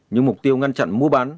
nhưng mục tiêu ngăn chặn mua bán